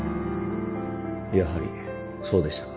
やはりそうでしたか。